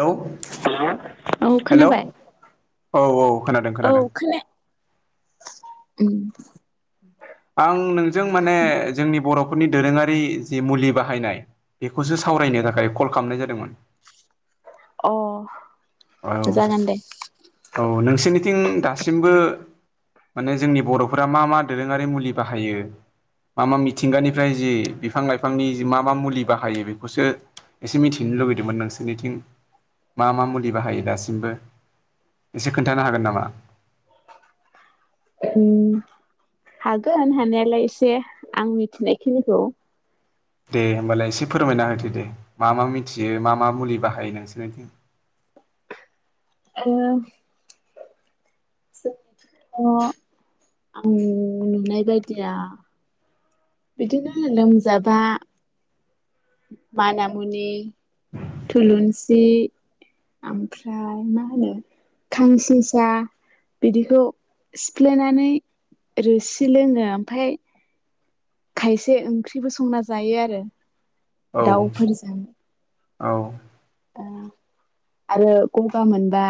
Hello औ hello खोनाबाय? औ खोनादों औ खोनादों खोनाया उम। आं नोंजों माने जोंनि बर'फोरनि दोरोङारि जि मुलि बाहायनाय बेखौसो सावरायनो थाखाय कल खालामनाय जादोंमोन। अह। औ औ नोंसोरनिथिं दासिमबो माने जोंनि बर'फोरा मा मा दोरोङारि मुलि बाहायो मा मा मिथिंगानिफ्राय जि बिफां लाइफांनि जि मा मा मुलि बाहायो बेखौसो एसे मिथिनो लुबैदोंमोन नोंसोरनिथिं मा मा मु लि बाहायो दासिमबो एसे खोन्थानो हागोन नामा? उम। हागोन हानायालाय एसे आं मिथिनायखिनिखौ। दे होमबालाय एसे फोरमायना होदो दे मा मा मिथियो मा मा मुलि बाहायो नोंसोरनिथिं। [unintelligible] जोंनिआथ' आं नुनाय बायदिया बिदिनो लोमजाबा मानामुनि थुलुनसि ओमफ्राय मा होनो खांसिसा बिदिखौ सिफ्लेनानै रोसि लोङो ओमफाय खायसे ओंख्रिबो संना जायो आरो। औ दाउफोरजों औ। ओ आरो गगा मोनबा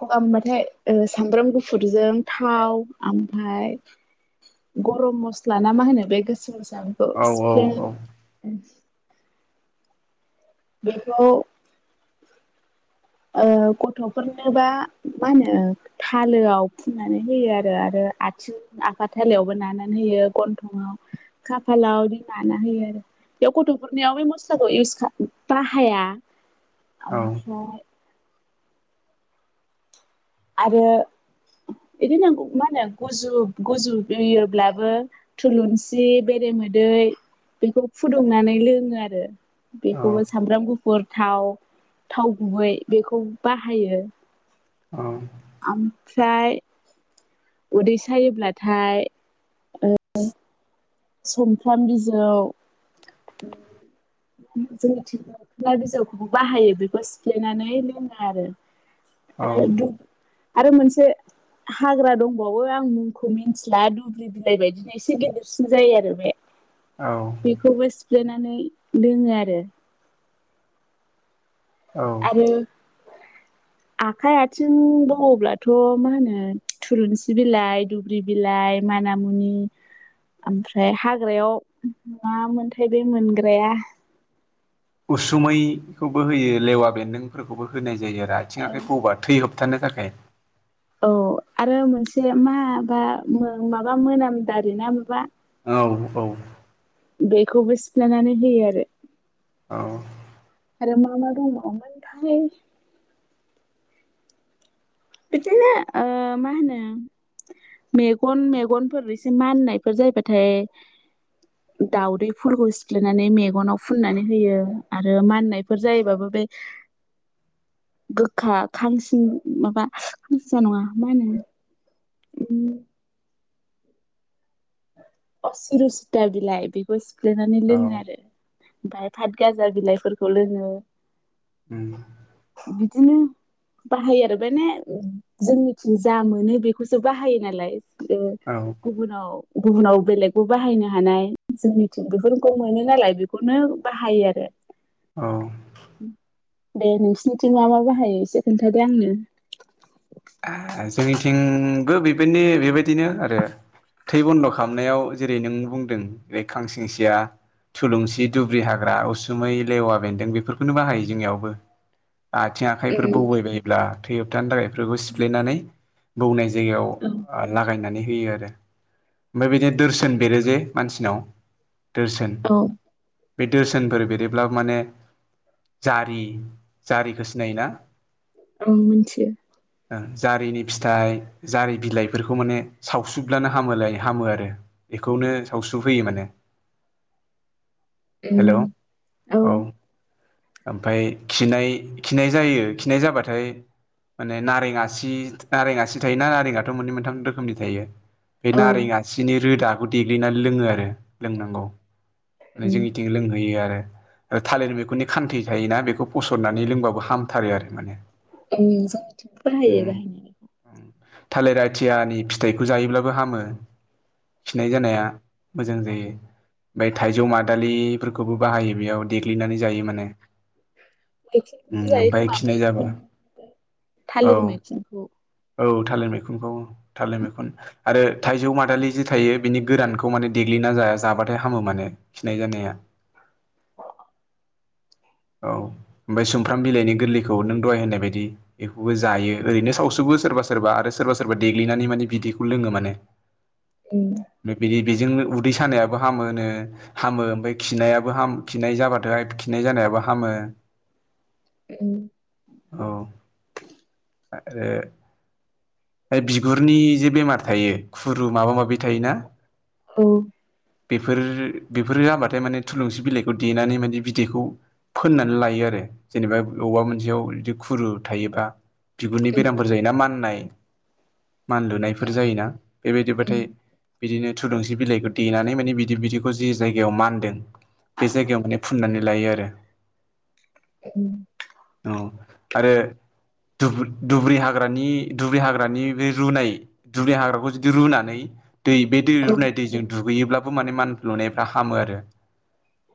गगा मोनबाथाय ओ सामब्राम गुफुरजों थाव ओमफाय गरम मस्ला ना मा होनो बे गोसोम गोसोमखौ सिफ्लेना बेखौ ओ गथ'फोरनोबा मा होनो थालोआव फुननानै होयो आरो आरो आथिं आफा थालायावबो नानानै होयो गन्थंआव खाफालाव बिदिनो नाना होयो। बेयाव गथ'फोरनियाव बे मस्लाखौ इउस बाहाया ओमफ्राय आरो बिदिनो मा होनो गुजु गुजु योब्लाबो थुलुनसि बेरेमोदै बेखौ फुदुंनानै लोङो आरो बेखौबो सामब्राम गुफुर थाव थाव गुबै बेखौ बाहायो औ ओमफ्राय उदै सायोब्लाथाय ओ सुमफ्राम बिजौ ओम जोंनिथिं [unintelligible] बिजौखौबो बाहायो बेखौ सिफ्लेनानै लोङो आरो औ [unintelligible] आरो मोनसे हाग्रा दंबावो आं मुंखौ मिन्थिला दुब्रि बिलाइ बायदिनो एसे गेदेरसिन जायो आरो बे औ बेखौबो सिफ्लेनानै लोङो आरो औ ओम आखाइ आथिं बौवोब्लाथ' मा होनो थुलुनसि बिलाइ दुब्रि बिलाइ मानामुनि ओमफ्राय हाग्रायाव मा मोनथाय बे मोनग्राया उसुमैखौबो होयो लेवा बेन्दोंफोरखौबो होनाय जायो आरो आथिं आखाइ बौबा थै होबथानो थाखाय औ आरो मोनसे माबा माबा मोनामदारि ना माबा औ औ। बेखौबो सिफ्लेनानै होयो आरो। औ। आरो मा मा दंबावोमोनथाय बिदिनो ओ मा होनो मेगन मेगनफोर एसे माननायफोर जायोबाथाय दाउदै फुलखौ सिफ्लेनानै मेगनाव फुननानै होयो आरो माननायफोर जायोबाबो बे गोखा खांसिन माबा खानसिसा नङा मा होनो अ सिरु सिथा बिलाइ बेखौ सिफ्लेनानै औ लोङो आरो। ओमफ्राय फातगाजा बिलाइफोरखौ लोङो उम। बिदिनो बाहायो आरो माने जोंनिथिं जा मोनो बेखौसो बाहायो नालाय ओ औ गुबुनाव गुबुनाव बेलेगबो बाहायनो हानाय जोंनिथिं बेफोरखौ मोनो नालाय बेखौनो बाहायो आरो [inaudible] औ दे नोंसिनिथिं मा मा बाहायो एसे खोन्थादो आंनो जोंनिथिंबो बेबायनो बेबायदिनो आरो। थै बन्द' खालामनायाव जेरै नों बुंदों जै खांसिंसिया थुलुंसि दुब्रि हाग्रा उसुमै लेवा बेन्दों बेफोरखौनो बाहायो जोंनियावबो आथिं आखाइफोर बौबायायोब्ला थै होबथानो थाखायफोरखौ सिफ्लेनानै बौनाय औ जायगायाव लागायनानै होयो आरो ओमफ्राय बिदि दोरसोन बेरो जे मानसिनाव दोरसोन औ बे दोरसोनफोर बेरोब्ला माने जारि जारिखौ सिनायोना औ मिथियो जारिनि फिथाइ जारि बिलाइफोरखौ माने सावसुब्लानो हामोलाय हामो आरो बेखौनो सावस्रु होयो माने [inaudible] हेल' औ उम औ ओमफाय खिनाय खिनाय जायो खिनाय जाबाथाय माने नारें आसि नारें आसि थायो ना नारेंथ' मोननै मोनथाम रोखोमनि थायो बे औ नारें उम आसिनि रोदाखौ देग्लिनानै लोङो आरो लोंनांगौ माने जोंनिथिं लोंहोयो आरो थालिरनि बेनि खान्थि थायोना बेखौ असननानै लोंबाबो हामथारो आरो माने ओं जोंनिथिंबो उम बाहायो बाहायनो उम थालिर आथियानि फिथाइखौ जायोब्लाबो हामो खिनाय जानाया मोजां जायो ओमफ्राय थाइजौ मादालिफोरखौबो बाहायो बेयाव देग्लिनानै जायो माने मैखुनखौबो ओम जायो ओमफाय खोमा खिनाय मैखुन जाबा औ थालिर मैथिंखौ औ थालिर मैखुनखौ थालिर मैखुन आरो थाइजौ मादालि जि थायो बिनि गोरानखौ माने देग्लिना जाया जाबाथाय हामो माने खिनाय जानाया औ ओमफ्राय सुमफ्राम बिलाइनि गोरलैखौ नों दहाय होननाय बायदि बेखौबो जायो ओरैनो सावसोबो सोरबा सोरबा आरो सोरबा सोरबा देग्लिनानै माने बिदैखौ लोङो माने [unintelligible] बिदि बेजोंनो उदै सानायाबो हामोनो हामो ओमफाय खिनायाबो हाम खिनाय जाबाथाय खिनाय जानायाबो हामो ओं औ आरोे बिगुरनि जे बेमार थायो खुरु माबा माबि थायोना औ बेफोरो बेफोरो जाबाथाय माने थुलुंसि बिलाइखौ देनानै माने बिदैखौ फोननानै लायो आरो जेनेबा बबावबा मोनसेयाव बिदि खुरु थायोबा बिगुरनि बेरामफोर जायोना माननाय मान लुनायफोर जायोना उम बेबायदिबाथाय बिदिनो थुलुंसि बिलाइखौ देनानै माने बिनि बिदिखौ जे जायगायाव मानदों बे जायगायाव माने फुननानै लायो आरो। उम औ आरो दुब्रि हाग्रानि दुब्रि हाग्रानि बे रुनाय दुब्रि हाग्राखौ जुदि रुनानै दै बे दै औ रुनाय दैजों दुगैयोब्लाबो माने मान लुनायफ्रा हामो आरो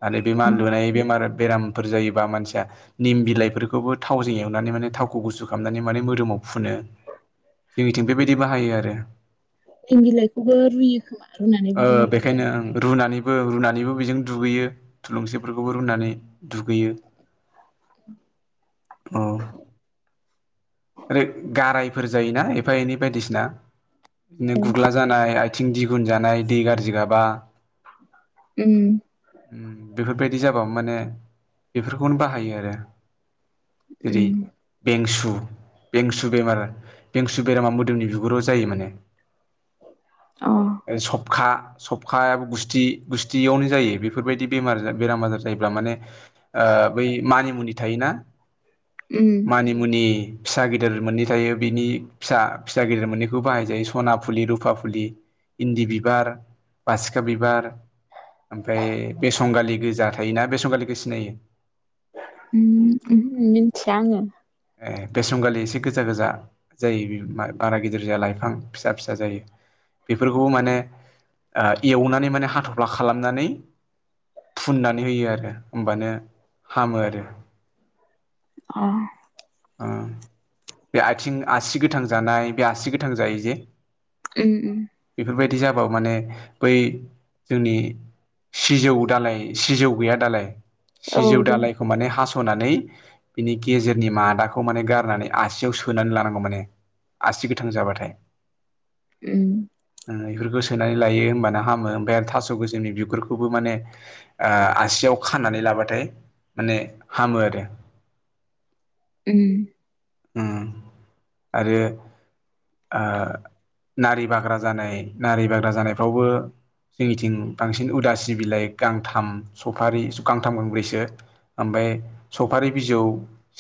आरो बे उम मानलुनाय बेमार बेरामफोर जायोबा मानसिया निम बिलाइफोरखौबो थावजों एवनानै माने थावखौ गुसु खालामनानै माने मोदोमाव फुनो जोंनिथिं बेबायदि बाहायो आरो निम बिलाइखौबो रुयो खोमा रुनानै बेजों दुगैयो। ओं रुनानै रुनानैबो बेजों दुगैयो थुलुंसिफोरखौबो रुनानै दुगैयो। औ आरो गारायफोर जायोना एफा एनै बायदिसिना बिदिनो गुग्ला जानाय आथिं दिगुन जानाय दै गाज्रि गाबा उम बेफोरबायदि जाबा माने बेफोरखौनो बाहायो आरो। जेरै उम बेंसु बेंसु बेमार बेंसु बेरामा मोदोमनि बिगुराव जायो माने। अ सबखा सबखायाबो गुस्थि गुस्थियावनो जायो बेफोरबायदि बेमार बेराम आजार जायोब्ला माने ओ बै मानिमुनि थायोना उम मानिमुनि फिसा गिदिर मोननै थायो बिनि फिसा फिसा गिदिर मोननैखौ बाहायजायो सना फुलि, रुफा फुलि इन्दि बिबार, बासिखा बिबार, ओमफ्राय बेसंगालि गोजा थायोना, बेसंगालिखौ सिनायो? ओम ओहो मिन्थिया आङो। ए बेसंगालि एसे गोजा गोजा जायो बारा गिदिर लाइफां फिसा फिसा जायो। बेफोरखौबो माने एवनानै माने हाथ'फ्ला खालामनानै फुननानै होयो आरो होमबानो हामो आरो अ ओ बे आथिं आसि गोथां जानाय बे आसि गोथां जायो जे उम उम बेफोरबायदि जाबाबो माने बै जोंनि सिजौ दालाइ सिजौ गैया दालाय औ सिजौ दं दालाइखौ माने हास'नानै बिनि गेजेरनि मा दाखौ माने गारनानै आसियाव सोनानै लानांगौ माने आसि गोथां जाबाथाय उम ओम बेफोरखौ सोनानै लायो होमबाना हामो ओमफ्राय आरो थास' गोसोमनि बिगुरखौबो माने आ आसियाव खानानै लाबाथाय माने हामो आरो। ओम ओम आरो ओ नारि बाग्रा जानाय नारि बाग्रा जानायफ्रावबो जोंनिथिं बांसिन उदासि बिलाइ गांथाम, सफारि गांथाम गांब्रैसो ओमफ्राय सफारि बिजौ,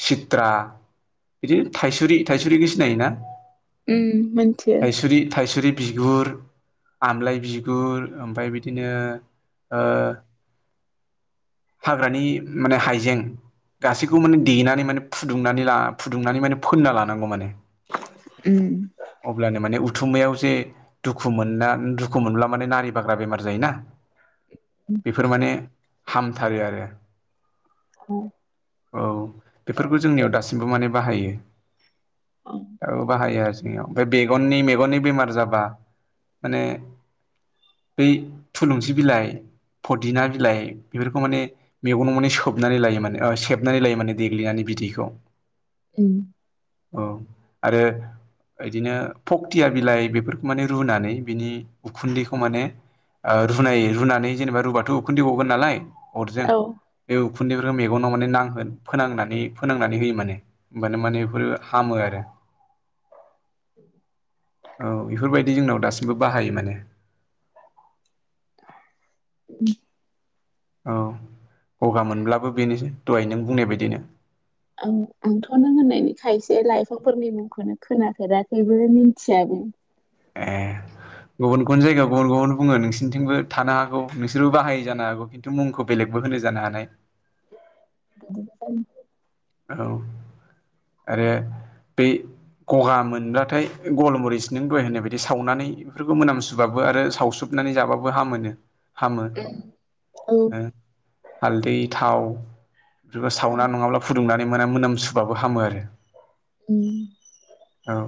सित्रा बिदिनो थाइसुरि थाइसुरिखौ सिनायोना मिथियो थाइसुरि थाइसुरि बिगुर आमलाय बिगुर ओमफ्राय बिदिनो ओ हाग्रानि माने हाइजें गासैखौ माने देनानै माने फुदुंनानै ला फुदुंनानै माने फोनना लानांगौ माने। उम। अब्लानो माने उथुमायाव जे दुखु मोनना दुखु मोनब्ला माने नारि बाग्रा बेमार जायोना बेफोर माने हामथारो आरो। उम औ बेफोरखौ जोंनियाव दासिमबो माने बाहायो। औ बाहायो आरो। एमाव ओमफ्राय बेगननि मेगननि बेमार जाबा माने बै थुलुंसि बिलाइ फ'दिना बिलाइ बेफोरखौ माने मेगन माने सोबनानै लायो माने ओ सेबनानै लायो माने देग्लिनानै बिदैखौ। उम। औ आरो बिदिनो फक्तिया बिलाइ बेफोरखौ माने रुनानै बिनि उखुन्दैखौ माने ओ रुनाय रुनानै जेनेबा रुुबाथ' उखुन्दै गगोन नालाय अरजों औ बे उखुन्दैफोरखौ मेगनाव माने नांहो फोनांनानै फोनांनानै होयो माने। होमबानो माने बेफोरो हामो आरो। औ बेफोरबायदि जोंनाव दासिमबो बाहायो माने। उम। औ गगा मोनब्लाबो बेनोसै दहाय नों बुंनाय बायदिनो। ओं आंथ' नों होननायनि खायसे लाइफांफोरनि मुंखौनो खोनाफेराखैबो मिथियाबो। ए [inaudible] गुबुन गुबुन जायगायाव गुबुन गुबुन बुंङो नोंसोरथिंबो थानो हागौ नोंसोरबो बाहाय जानो हागौ। मुंखौ बेलेगबो होनो जानो हानाय। [unintelligible] औ आरो बेै गगा मोनब्लाथाय गलमुरिसनि दहाय होननाय बायदि सावनानै बेफोरखौ मोनामसुबाबो आरो सावसुब नानै जाबाबो हामोनो। हामो औ ओं हालदै थाव बेफोरखौ सावना नंङाब्ला फुदुंनानै मोना मोनाम सुबुबाबो हामो आरो। उम औ।